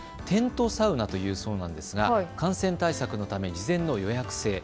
テントサウナというそうなんですが感染対策のため事前の予約制。